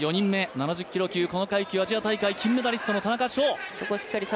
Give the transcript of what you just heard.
７０キロ級この階級、アジア大会金メダリストの田中志歩。